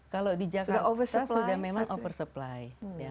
kalau di jakarta sudah memang oversupply